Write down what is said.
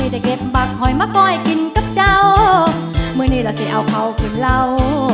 จะเก็บบักหอยมาปล่อยกินกับเจ้ามือนี้เราสิเอาเขาขึ้นเรา